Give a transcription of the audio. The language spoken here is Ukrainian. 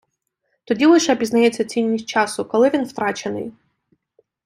Тоді лише пізнається цінність часу, коли він втрачений.